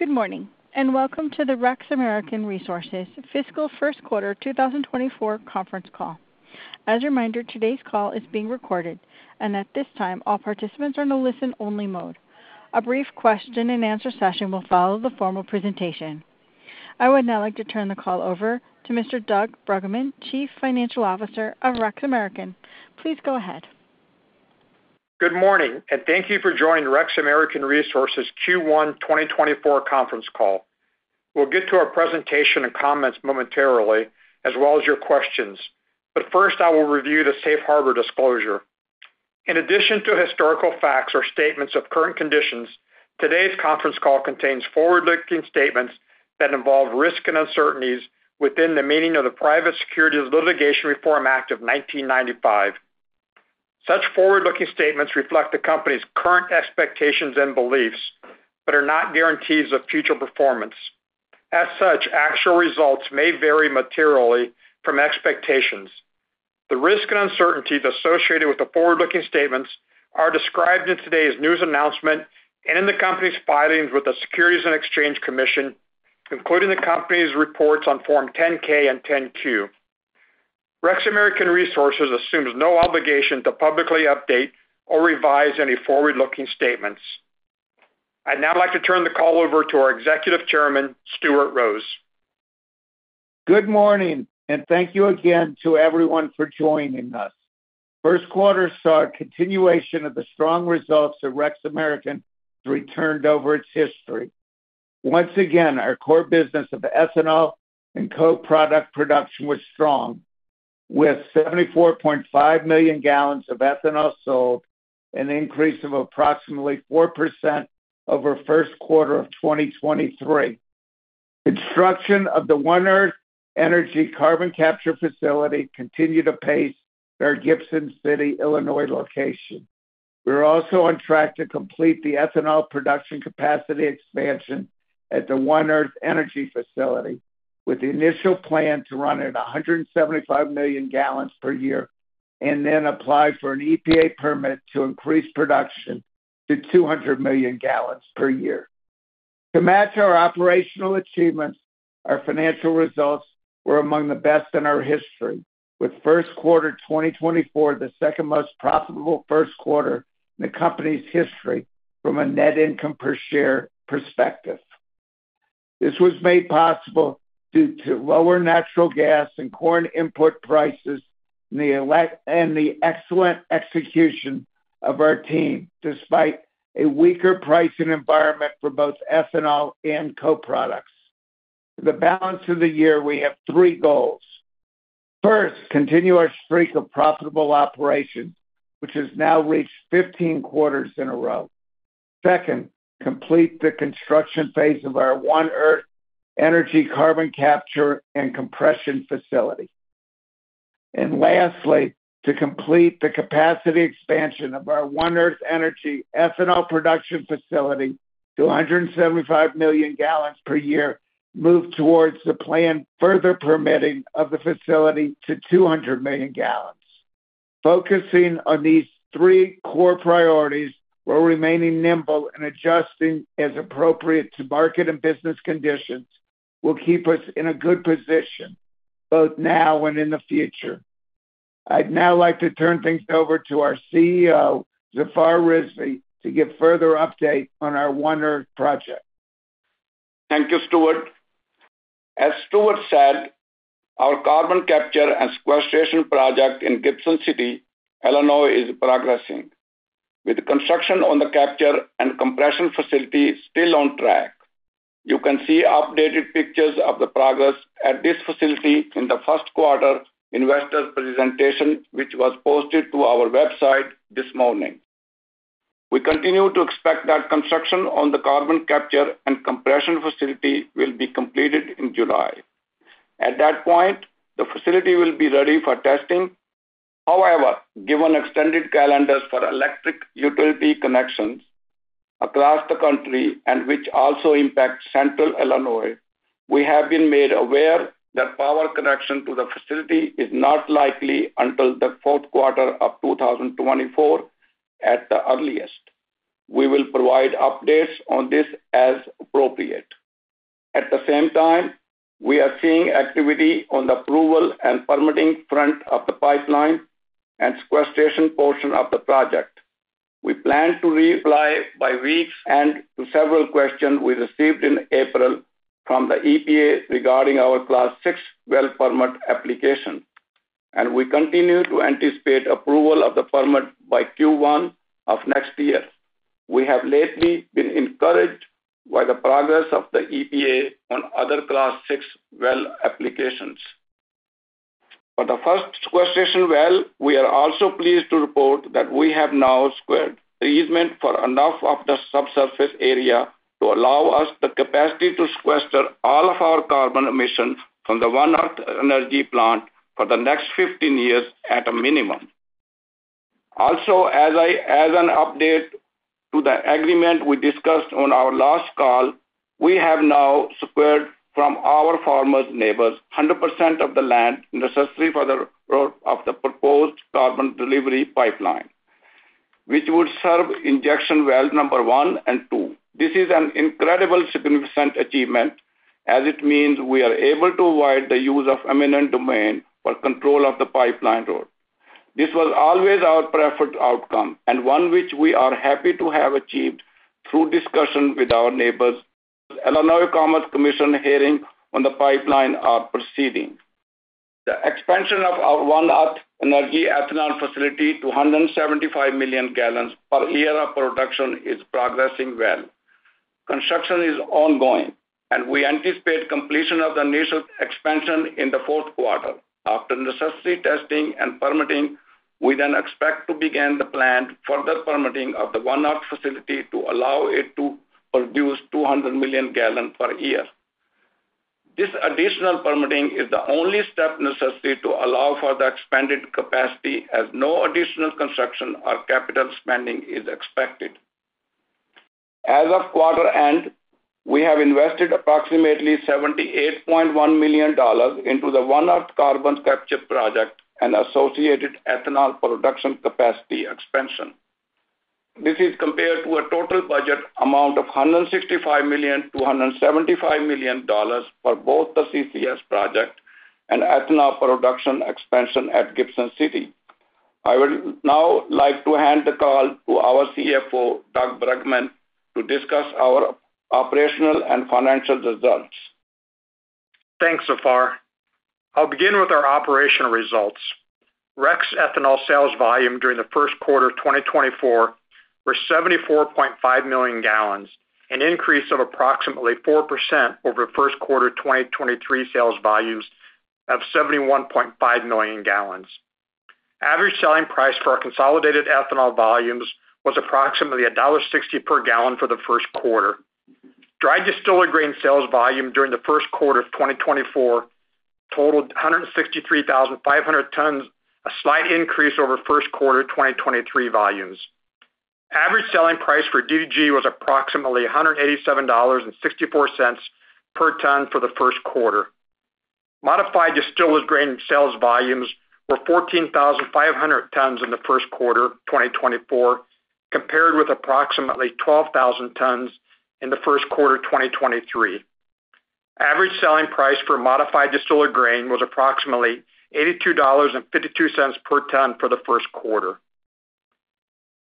Good morning, and welcome to the REX American Resources Fiscal First Quarter 2024 conference call. As a reminder, today's call is being recorded, and at this time, all participants are in a listen-only mode. A brief question and answer session will follow the formal presentation. I would now like to turn the call over to Mr. Doug Bruggeman, Chief Financial Officer of REX American. Please go ahead. Good morning, and thank you for joining REX American Resources Q1 2024 conference call. We'll get to our presentation and comments momentarily, as well as your questions, but first, I will review the Safe Harbor disclosure. In addition to historical facts or statements of current conditions, today's conference call contains forward-looking statements that involve risk and uncertainties within the meaning of the Private Securities Litigation Reform Act of 1995. Such forward-looking statements reflect the company's current expectations and beliefs, but are not guarantees of future performance. As such, actual results may vary materially from expectations. The risks and uncertainties associated with the forward-looking statements are described in today's news announcement and in the company's filings with the Securities and Exchange Commission, including the company's reports on Form 10-K and 10-Q. REX American Resources assumes no obligation to publicly update or revise any forward-looking statements. I'd now like to turn the call over to our Executive Chairman, Stuart Rose. Good morning, and thank you again to everyone for joining us. First quarter saw a continuation of the strong results that REX American has returned over its history. Once again, our core business of ethanol and co-product production was strong, with 74.5 million gallons of ethanol sold, an increase of approximately 4% over first quarter of 2023. Construction of the One Earth Energy carbon capture facility continued to pace our Gibson City, Illinois, location. We're also on track to complete the ethanol production capacity expansion at the One Earth Energy facility, with the initial plan to run at 175 million gallons per year and then apply for an EPA permit to increase production to 200 million gallons per year. To match our operational achievements, our financial results were among the best in our history, with first quarter 2024, the second most profitable first quarter in the company's history from a net income per share perspective. This was made possible due to lower natural gas and corn input prices and the excellent execution of our team, despite a weaker pricing environment for both ethanol and co-products. For the balance of the year, we have three goals. First, continue our streak of profitable operations, which has now reached 15 quarters in a row. Second, complete the construction phase of our One Earth Energy carbon capture and compression facility. And lastly, to complete the capacity expansion of our One Earth Energy ethanol production facility to 175 million gallons per year, move towards the planned further permitting of the facility to 200 million gallons. Focusing on these three core priorities, while remaining nimble and adjusting as appropriate to market and business conditions, will keep us in a good position both now and in the future. I'd now like to turn things over to our CEO, Zafar Rizvi, to give further update on our One Earth project. Thank you, Stuart. As Stuart said, our carbon capture and sequestration project in Gibson City, Illinois, is progressing, with construction on the capture and compression facility still on track. You can see updated pictures of the progress at this facility in the first quarter investor presentation, which was posted to our website this morning. We continue to expect that construction on the carbon capture and compression facility will be completed in July. At that point, the facility will be ready for testing. However, given extended calendars for electric utility connections across the country, and which also impacts central Illinois, we have been made aware that power connection to the facility is not likely until the fourth quarter of 2024 at the earliest. We will provide updates on this as appropriate. At the same time, we are seeing activity on the approval and permitting front of the pipeline and sequestration portion of the project. We plan to reply by week's end to several questions we received in April from the EPA regarding our Class VI well permit application, and we continue to anticipate approval of the permit by Q1 of next year. We have lately been encouraged by the progress of the EPA on other Class VI well applications. For the first sequestration well, we are also pleased to report that we have now secured easement for enough of the subsurface area to allow us the capacity to sequester all of our carbon emissions from the One Earth Energy plant for the next 15 years at a minimum. Also, as an update to the agreement we discussed on our last call, we have now secured from our farmers neighbors 100% of the land necessary for the road of the proposed carbon delivery pipeline, which would serve injection well number 1 and 2. This is an incredible significant achievement, as it means we are able to avoid the use of eminent domain for control of the pipeline route. This was always our preferred outcome, and one which we are happy to have achieved through discussion with our neighbors. Illinois Commerce Commission hearing on the pipeline are proceeding. The expansion of our One Earth Energy ethanol facility to 175 million gallons per year of production is progressing well. Construction is ongoing, and we anticipate completion of the initial expansion in the fourth quarter. After necessary testing and permitting, we then expect to begin the planned further permitting of the One Earth facility to allow it to produce 200 million gallon per year. This additional permitting is the only step necessary to allow for the expanded capacity, as no additional construction or capital spending is expected. As of quarter end, we have invested approximately $78.1 million into the One Earth carbon capture project and associated ethanol production capacity expansion. This is compared to a total budget amount of $165 million-$175 million for both the CCS project and ethanol production expansion at Gibson City. I would now like to hand the call to our CFO, Doug Bruggeman, to discuss our operational and financial results. Thanks, Zafar. I'll begin with our operational results. REX ethanol sales volume during the first quarter of 2024 were 74.5 million gallons, an increase of approximately 4% over first quarter 2023 sales volumes of 71.5 million gallons. Average selling price for our consolidated ethanol volumes was approximately $1.60 per gallon for the first quarter. Dry distiller grain sales volume during the first quarter of 2024 totaled 163,500 tons, a slight increase over first quarter 2023 volumes. Average selling price for DDG was approximately $187.64 per ton for the first quarter. Modified distiller grain sales volumes were 14,500 tons in the first quarter of 2024, compared with approximately 12,000 tons in the first quarter of 2023. Average selling price for modified distillers grains was approximately $82.52 per ton for the first quarter.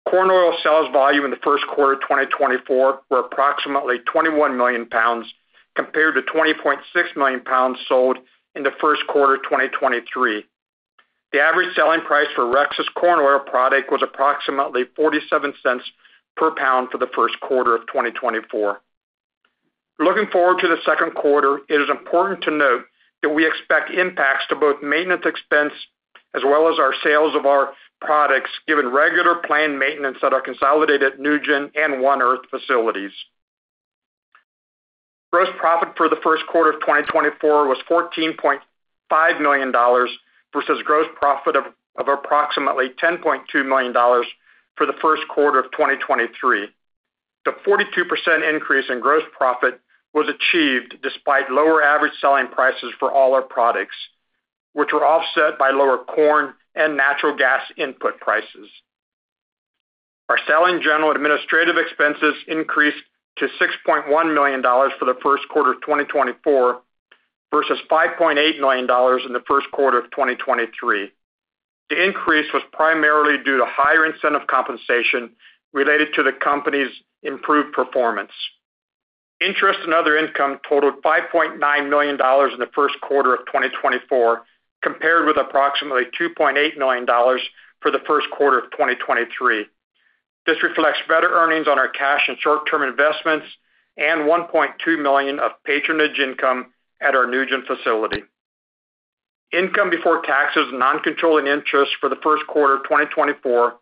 Corn oil sales volume in the first quarter of 2024 were approximately 21 million pounds, compared to 20.6 million pounds sold in the first quarter of 2023. The average selling price for REX's corn oil product was approximately $0.47 per pound for the first quarter of 2024. Looking forward to the second quarter, it is important to note that we expect impacts to both maintenance expense as well as our sales of our products, given regular planned maintenance at our consolidated NuGen and One Earth facilities. Gross profit for the first quarter of 2024 was $14.5 million, versus gross profit of approximately $10.2 million for the first quarter of 2023. The 42% increase in gross profit was achieved despite lower average selling prices for all our products, which were offset by lower corn and natural gas input prices. Our selling general administrative expenses increased to $6.1 million for the first quarter of 2024, versus $5.8 million in the first quarter of 2023. The increase was primarily due to higher incentive compensation related to the company's improved performance. Interest and other income totaled $5.9 million in the first quarter of 2024, compared with approximately $2.8 million for the first quarter of 2023. This reflects better earnings on our cash and short-term investments, and $1.2 million of patronage income at our NuGen facility. Income before taxes and non-controlling interest for the first quarter of 2024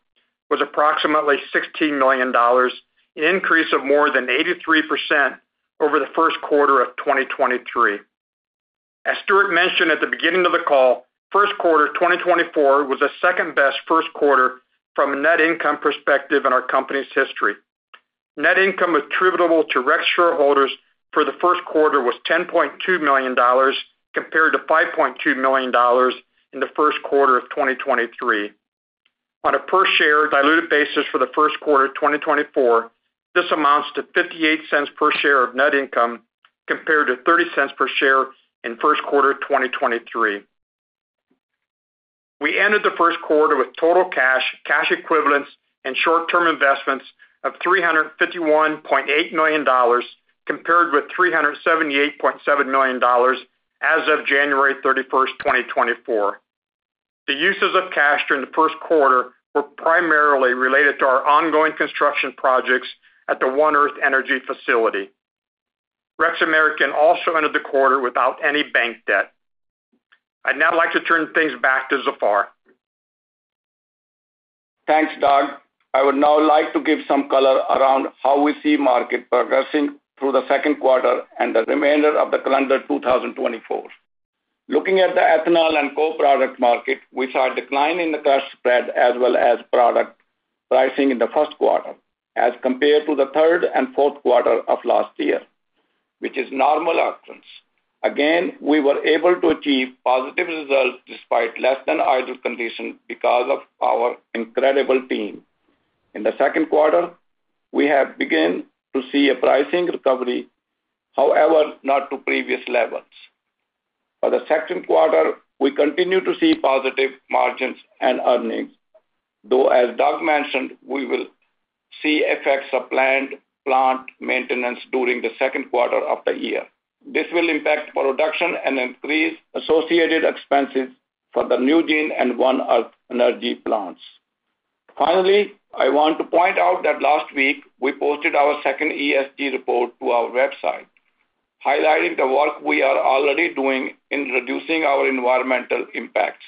was approximately $16 million, an increase of more than 83% over the first quarter of 2023. As Stuart mentioned at the beginning of the call, first quarter 2024 was the second-best first quarter from a net income perspective in our company's history. Net income attributable to REX shareholders for the first quarter was $10.2 million, compared to $5.2 million in the first quarter of 2023. On a per-share diluted basis for the first quarter of 2024, this amounts to $0.58 per share of net income, compared to $0.30 per share in first quarter of 2023. We ended the first quarter with total cash, cash equivalents, and short-term investments of $351.8 million, compared with $378.7 million as of January 31, 2024. The uses of cash during the first quarter were primarily related to our ongoing construction projects at the One Earth Energy facility. REX American also ended the quarter without any bank debt. I'd now like to turn things back to Zafar. Thanks, Doug. I would now like to give some color around how we see market progressing through the second quarter and the remainder of the calendar 2024. Looking at the ethanol and co-product market, we saw a decline in the cash spread as well as product pricing in the first quarter, as compared to the third and fourth quarter of last year, which is normal occurrence. Again, we were able to achieve positive results despite less than ideal conditions because of our incredible team. In the second quarter, we have begun to see a pricing recovery, however, not to previous levels. For the second quarter, we continue to see positive margins and earnings, though, as Doug mentioned, we will see effects of planned plant maintenance during the second quarter of the year. This will impact production and increase associated expenses for the NuGen Energy and One Earth Energy plants. Finally, I want to point out that last week, we posted our second ESG report to our website, highlighting the work we are already doing in reducing our environmental impacts.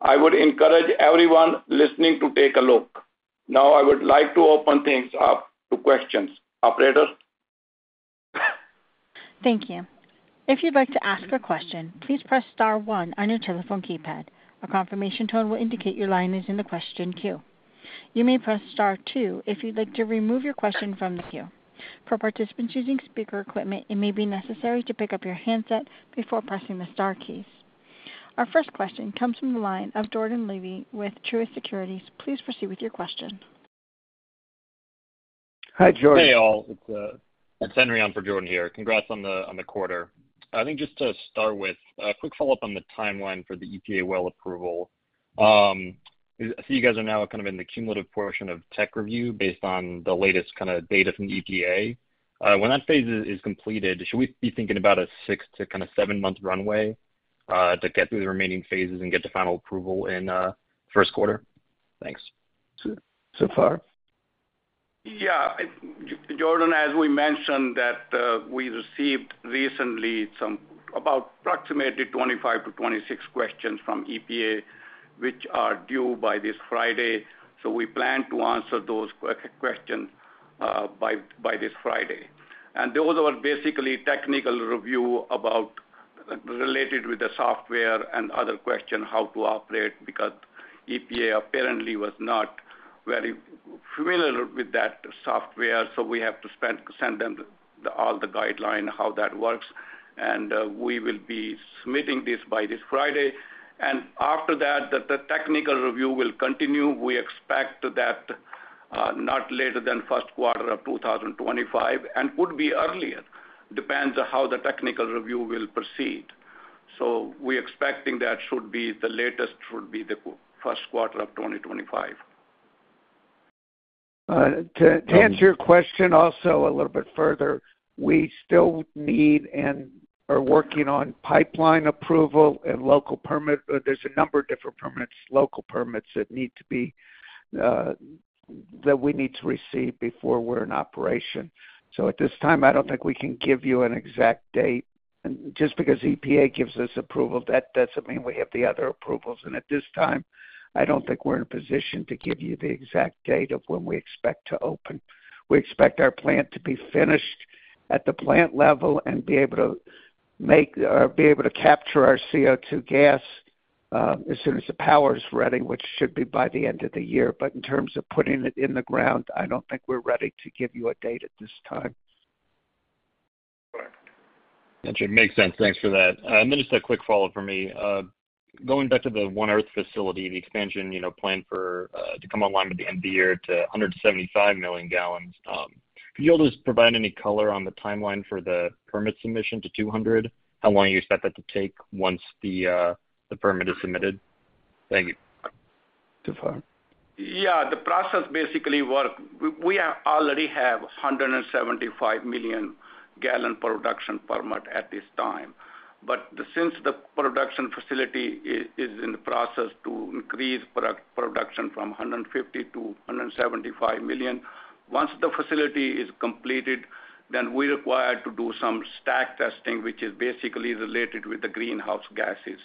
I would encourage everyone listening to take a look. Now, I would like to open things up to questions. Operator? Thank you. If you'd like to ask a question, please press star one on your telephone keypad. A confirmation tone will indicate your line is in the question queue. You may press star two if you'd like to remove your question from the queue. For participants using speaker equipment, it may be necessary to pick up your handset before pressing the star keys. Our first question comes from the line of Jordan Levy with Truist Securities. Please proceed with your question. Hi, Jordan. Hey, all. It's, it's Henry on for Jordan here. Congrats on the quarter. I think just to start with, a quick follow-up on the timeline for the EPA well approval. I see you guys are now kind of in the cumulative portion of tech review based on the latest kind of data from the EPA. When that phase is completed, should we be thinking about a 6- to kind of 7-month runway to get through the remaining phases and get to final approval in first quarter? Thanks. So, Zafar? Yeah, Jordan, as we mentioned that, we received recently some about approximately 25-26 questions from EPA, which are due by this Friday. So we plan to answer those questions, by this Friday. And those are basically technical review about related with the software and other question, how to operate, because EPA apparently was not very familiar with that software, so we have to send them the, all the guideline, how that works, and, we will be submitting this by this Friday. And after that, the technical review will continue. We expect that, not later than first quarter of 2025, and could be earlier, depends on how the technical review will proceed. So we're expecting that should be, the latest should be the first quarter of 2025. To answer your question also a little bit further, we still need and are working on pipeline approval and local permit. There's a number of different permits, local permits, that need to be, that we need to receive before we're in operation. So at this time, I don't think we can give you an exact date. Just because EPA gives us approval, that doesn't mean we have the other approvals. And at this time, I don't think we're in a position to give you the exact date of when we expect to open. We expect our plant to be finished at the plant level and be able to make, or be able to capture our CO2 gas, as soon as the power is ready, which should be by the end of the year. But in terms of putting it in the ground, I don't think we're ready to give you a date at this time. Got you. Makes sense. Thanks for that. And then just a quick follow-up for me. Going back to the One Earth facility, the expansion, you know, planned for to come online by the end of the year to 175 million gallons. Can you all just provide any color on the timeline for the permit submission to 200? How long do you expect that to take once the permit is submitted? Thank you. Zafar? Yeah, the process basically work. We already have a 175 million gallon production permit at this time. But since the production facility is in the process to increase production from 150 to 175 million, once the facility is completed, then we require to do some stack testing, which is basically related with the greenhouse gases.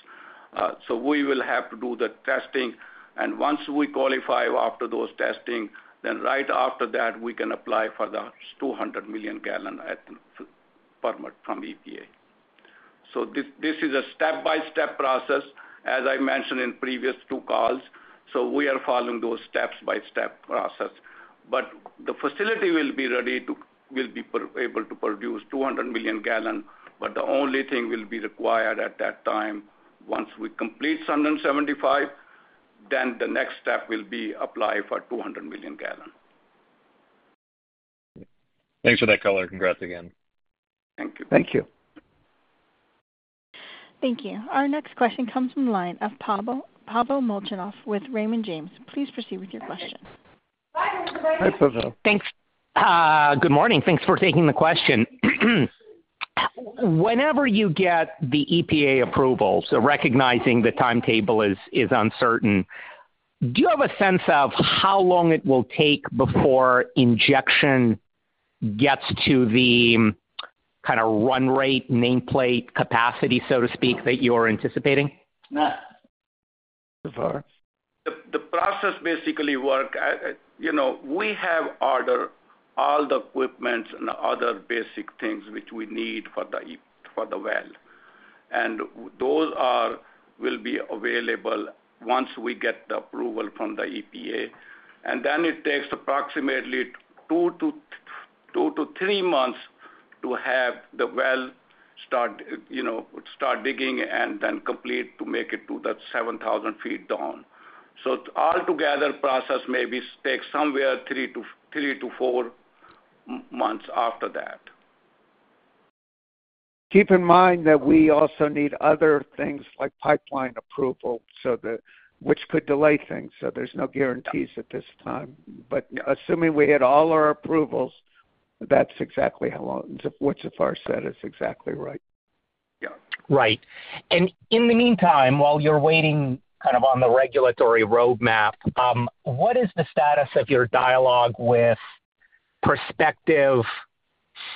So we will have to do the testing, and once we qualify after those testing, then right after that, we can apply for the 200 million gallon permit from EPA. So this is a step-by-step process, as I mentioned in previous two calls, so we are following those step by step process. But the facility will be ready to-- will be pro... Able to produce 200 million gallon, but the only thing will be required at that time. Once we complete 77.5, then the next step will be apply for 200 million gallon. Thanks for that color. Congrats again. Thank you. Thank you. Thank you. Our next question comes from the line of Pablo, Pablo Molchanov with Raymond James. Please proceed with your question. Hi, everybody. Hi, Pablo. Thanks. Good morning. Thanks for taking the question. Whenever you get the EPA approval, so recognizing the timetable is, is uncertain, do you have a sense of how long it will take before injection gets to the kind of run rate, nameplate capacity, so to speak, that you are anticipating? Zafar? The process basically work, you know, we have ordered all the equipment and other basic things which we need for the well... and will be available once we get the approval from the EPA. And then it takes approximately two to three months to have the well start, you know, start digging and then complete to make it to that 7,000 feet down. So altogether, process maybe takes somewhere three to four months after that. Keep in mind that we also need other things like pipeline approval, so the—which could delay things. So there's no guarantees at this time. But assuming we had all our approvals, that's exactly how long. What Zafar said is exactly right. Yeah. Right. And in the meantime, while you're waiting kind of on the regulatory roadmap, what is the status of your dialogue with prospective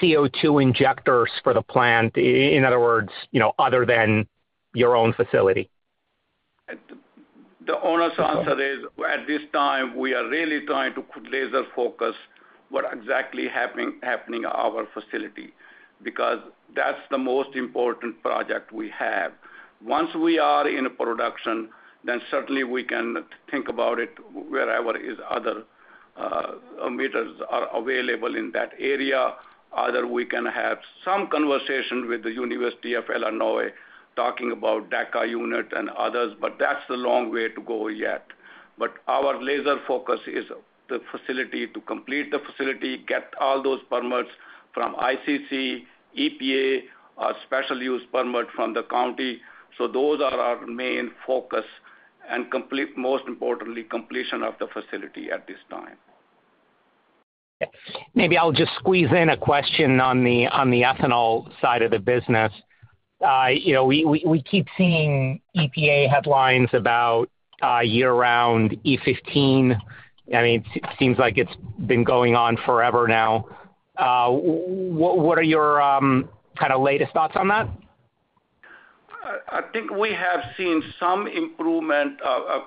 CO2 injectors for the plant? In other words, you know, other than your own facility. The honest answer is, at this time, we are really trying to laser focus what exactly happening at our facility, because that's the most important project we have. Once we are in a production, then certainly we can think about it wherever is other emitters are available in that area. Either we can have some conversation with the University of Illinois, talking about DAC unit and others, but that's a long way to go yet. But our laser focus is the facility, to complete the facility, get all those permits from ICC, EPA, a special use permit from the county. So those are our main focus, and complete, most importantly, completion of the facility at this time. Maybe I'll just squeeze in a question on the ethanol side of the business. You know, we keep seeing EPA headlines about year-round E15. I mean, it seems like it's been going on forever now. What are your kind of latest thoughts on that? I think we have seen some improvement of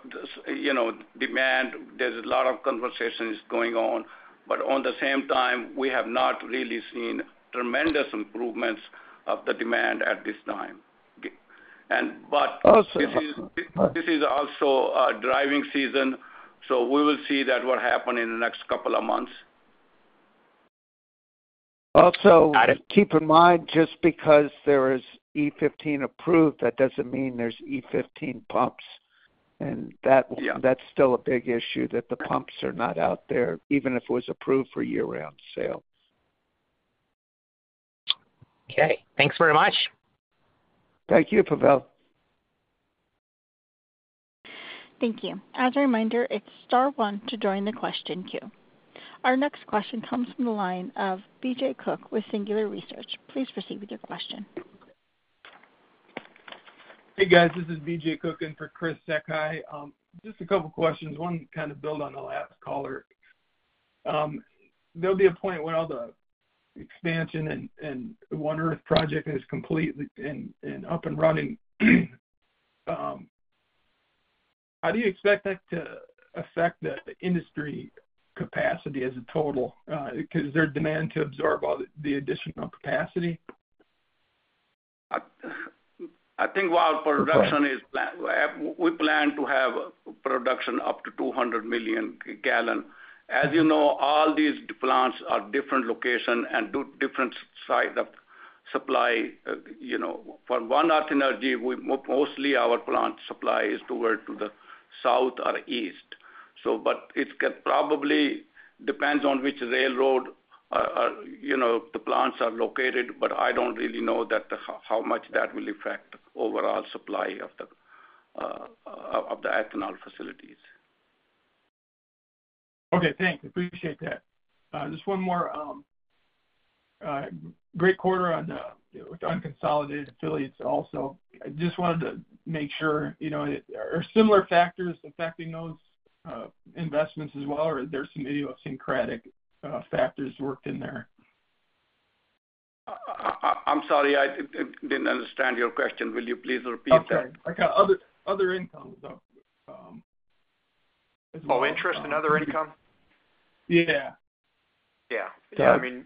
you know demand. There's a lot of conversations going on, but on the same time, we have not really seen tremendous improvements of the demand at this time. And but- Also- This is also a driving season, so we will see that what happen in the next couple of months. Also- Got it. Keep in mind, just because there is E15 approved, that doesn't mean there's E15 pumps. And that- Yeah... that's still a big issue, that the pumps are not out there, even if it was approved for year-round sale. Okay, thanks very much. Thank you, Pavel. Thank you. As a reminder, it's star one to join the question queue. Our next question comes from the line of BJ Cook with Singular Research. Please proceed with your question. Hey, guys, this is BJ Cook in for Chris Sakai. Just a couple of questions. One, kind of build on the last caller. There'll be a point where all the expansion and, and One Earth project is complete and, and up and running. How do you expect that to affect the industry capacity as a total? Because is there demand to absorb all the, the additional capacity? I think, while production is, we plan to have production up to 200 million gallon. As you know, all these plants are different location and do different side of supply. You know, for One Earth Energy, we mostly our plant supply is toward to the south or east. So but it could probably depends on which railroad, you know, the plants are located, but I don't really know that, how much that will affect the overall supply of the ethanol facilities. Okay, thanks. Appreciate that. Just one more, great quarter on the, with unconsolidated affiliates also. I just wanted to make sure, you know, are similar factors affecting those, investments as well, or are there some idiosyncratic, factors worked in there? I'm sorry, I didn't understand your question. Will you please repeat that? Okay. Like, other incomes, so- Oh, interest and other income? Yeah. Yeah. Yeah. I mean,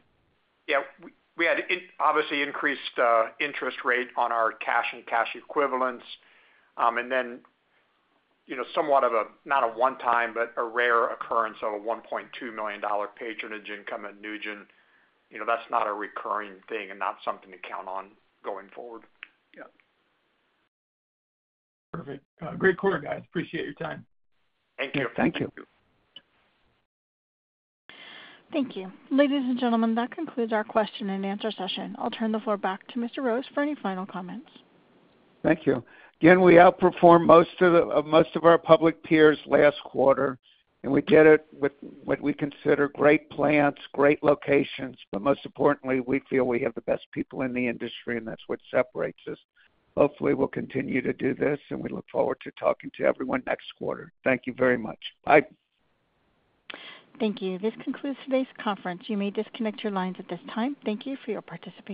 yeah, we had obviously increased interest rate on our cash and cash equivalents. And then, you know, somewhat of a, not a one time, but a rare occurrence of a $1.2 million patronage income at NuGen. You know, that's not a recurring thing and not something to count on going forward. Yeah. Perfect. Great quarter, guys. Appreciate your time. Thank you. Thank you. Thank you. Ladies and gentlemen, that concludes our question and answer session. I'll turn the floor back to Mr. Rose for any final comments. Thank you. Again, we outperformed most of our public peers last quarter, and we did it with what we consider great plants, great locations, but most importantly, we feel we have the best people in the industry, and that's what separates us. Hopefully, we'll continue to do this, and we look forward to talking to everyone next quarter. Thank you very much. Bye. Thank you. This concludes today's conference. You may disconnect your lines at this time. Thank you for your participation.